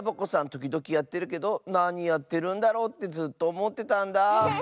ときどきやってるけどなにやってるんだろうってずっとおもってたんだ。